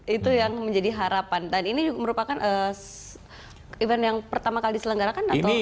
itu yang menjadi harapan dan ini merupakan event yang pertama kali diselenggarakan atau